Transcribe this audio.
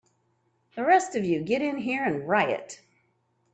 The rest of you get in here and riot!